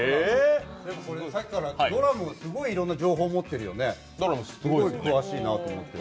さっきからドラム、すごい情報を持ってるよね、詳しいなと思って。